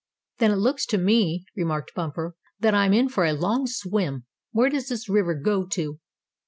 "Then it looks to me," remarked Bumper, "that I'm in for a long swim. Where does this river go to?"